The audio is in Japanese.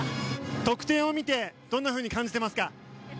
得点を見てどんなふうに感じてますか？